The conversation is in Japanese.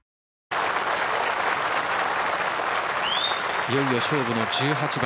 いよいよ勝負の１８番。